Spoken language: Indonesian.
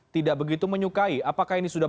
tidak begitu menyukai apakah ini sudah